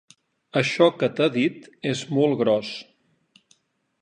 Això que t'ha dit és molt gros.